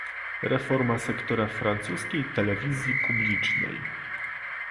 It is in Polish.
Reforma sektora francuskiej telewizji publicznej